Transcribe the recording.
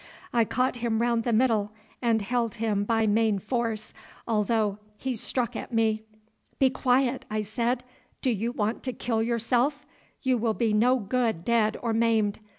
I caught him round the middle, and held him by main force, although he struck at me. "Be quiet," I said; "do you want to kill yourself? You will be no good dead or maimed.